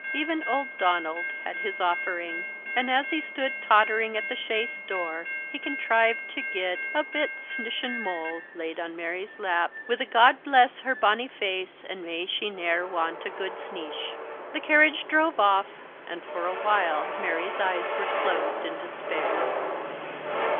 Even old Donald had his offering, and, as he stood tottering at the chaise door, he contrived to get a "bit snishin mull" laid on Mary's lap, with a "God bless her bonny face, an'may she ne'er want a good sneesh!" The carriage drove off, and for a while Mary's eyes were closed in despair.